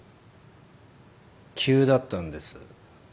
急だったんです。